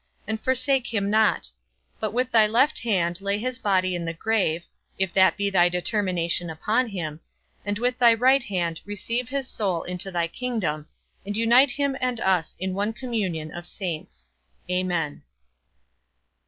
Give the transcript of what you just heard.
_ and forsake him not; but with thy left hand lay his body in the grave (if that be thy determination upon him), and with thy right hand receive his soul into thy kingdom, and unite him and us in one communion of saints. Amen.